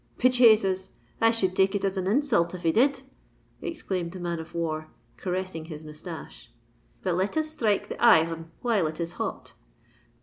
"Be Jasus! I should take it as an insult if he did," exclaimed the man of war, caressing his moustache. "But let us strike the ir r ron while it is hot.